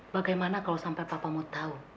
bagaimana kalau sampai bapakmu tahu